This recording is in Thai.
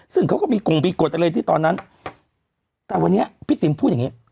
ซึ่งเขาก็มีกงมีกฎอะไรที่ตอนนั้นแต่วันนี้พี่ติ๋มพูดอย่างงี้